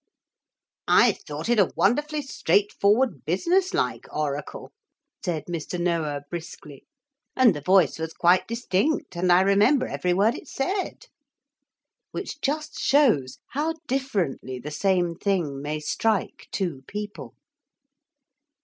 'I thought it a wonderfully straight forward business like oracle,' said Mr. Noah briskly; 'and the voice was quite distinct and I remember every word it said.' (Which just shows how differently the same thing may strike two people.)